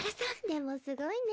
でもすごいね。